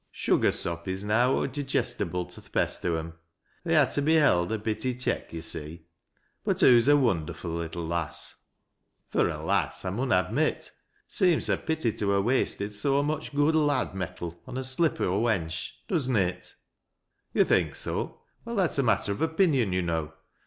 Sugar sop is na o'er digestible eo th' beat o' em. They ha' to be held a bit i' check, yo' see. . But hoo's a wonderfu' little ]a,ss— fur a lass, I mun admit Seems a pity to ha' wasted so mich good lad metal on a Blip o' a wench, — does na it ?" "Tou think so ? Well, that is a matter of opinion, yet know.